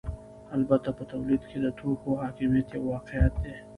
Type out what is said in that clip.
البته په تولید کې د توکو حاکمیت یو واقعیت دی